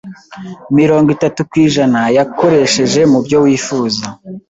mirongo itatu kwijana yakoreshe mu byo wifuza